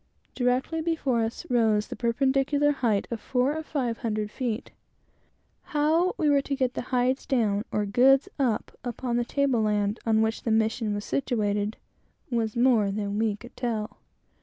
Directly before us, rose the perpendicular height of four or five hundred feet. How we were to get hides down, or goods up, upon the table land on which the mission was situated, was more than we could tell.